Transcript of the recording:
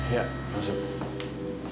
yang akan ikut tendernya